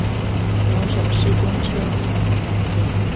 高雄市公車五福幹線